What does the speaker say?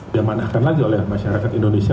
diamanahkan lagi oleh masyarakat indonesia